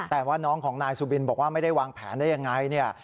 แต่ว่าน้องของนายสุบินบอกว่าไม่ได้วางแผนได้ยังไงเนี่ย